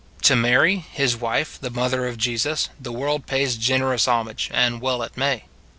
To Mary, his wife, the mother of Jesus, the world pays generous homage, and well it may.